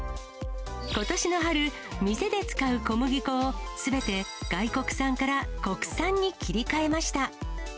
ことしの春、店で使う小麦粉を、すべて外国産から国産に切り替えました。